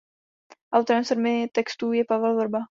Autorem sedmi textů je Pavel Vrba.